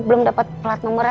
belom dapet pelat nomornya